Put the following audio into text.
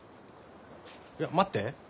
いや待って。